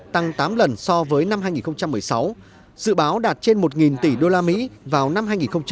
tăng tám lần so với năm hai nghìn một mươi sáu dự báo đạt trên một tỷ usd vào năm hai nghìn hai mươi